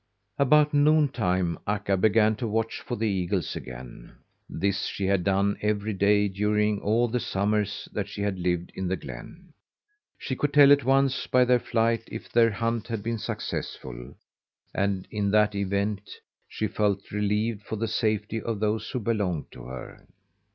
About noontime Akka began to watch for the eagles again. This she had done every day during all the summers that she had lived in the glen. She could tell at once by their flight if their hunt had been successful, and in that event she felt relieved for the safety of those who belonged to her.